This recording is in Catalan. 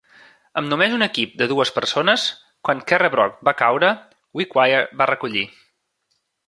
Amb només un equip de dues persones, quan Kerrebrock va caure, Wickwire va recollir.